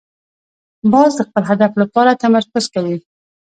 باز د خپل هدف لپاره تمرکز کوي